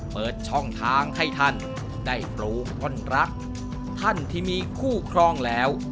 เปิดช่องทางให้ท่านได้ปลูกคนรักท่านที่มีคู่ครองแล้ว